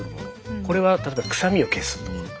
これは例えば臭みを消すとか。